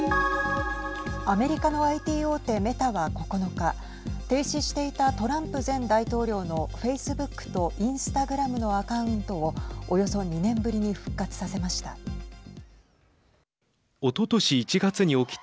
アメリカのＩＴ大手メタは９日停止していたトランプ前大統領のフェイスブックとインスタグラムのアカウントをおよそ２年ぶりに復活させました。